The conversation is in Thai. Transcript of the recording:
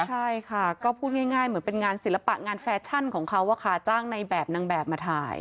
ใช่ค่ะก็พูดง่ายเหมือนเป็นงานศิลปะงานแฟชั่นของเขาจ้างในแบบนางแบบมาถ่าย